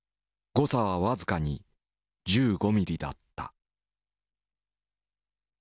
誤差は僅かに１５ミリだった。